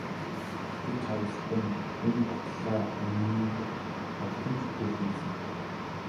Гэвч харамсалтай нь энэ баталгаа үнэнд огтхон ч үл нийцнэ.